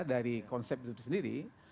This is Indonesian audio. dari konsep itu sendiri